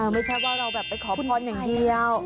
ไม่ใช่ว่าเราแบบไปขอพรอย่างเดียว